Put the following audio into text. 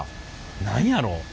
何やろ？